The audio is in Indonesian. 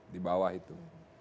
di bawah itu